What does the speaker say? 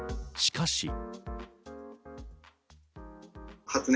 しかし。